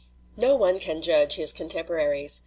"No one can judge his contemporaries.